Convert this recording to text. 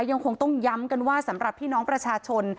ยังคงต้องย้ำกันว่าสำหรับพี่น้องประชาชน